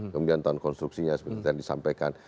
kemudian tahun konstruksinya seperti yang disampaikan